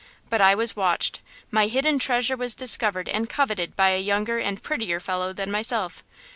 But I was watched; my hidden treasure was discovered and coveted by a younger and prettier follow than myself.